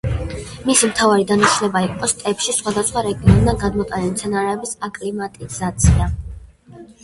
მისი მთავარი დანიშნულება იყო სტეპში სხვადასხვა რეგიონიდან გადმოტანილი მცენარეების აკლიმატიზაცია.